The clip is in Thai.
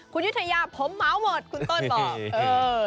คุณยุทยาผมเหมาหมดคุณต้นหรือ